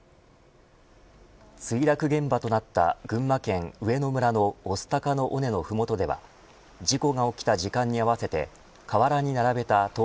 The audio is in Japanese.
墜落現場となった群馬県上野村の御巣鷹の尾根のふもとでは事故が起きた時間に合わせて河原に並べた灯籠